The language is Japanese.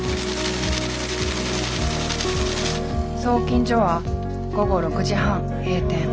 送金所は午後６時半閉店。